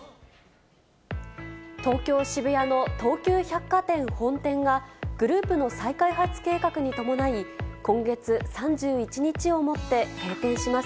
東京・渋谷の東急百貨店本店が、グループの再開発計画に伴い、今月３１日をもって閉店します。